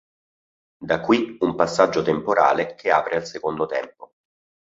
Da qui un passaggio temporale che apre al secondo tempo.